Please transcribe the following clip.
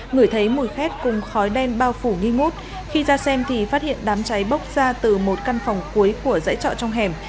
ngửi thấy mùi khét cùng khói đen bao phủ nghi ngút khi ra xem thì phát hiện đám cháy bốc ra từ một căn phòng cuối của dãy trọ trong hẻm